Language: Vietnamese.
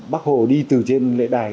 bác hồ đi từ trên lễ đài